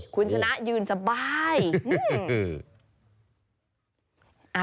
คุณชนะยืนสบาย